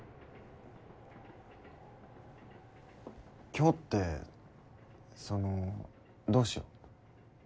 今日ってそのどうしよう？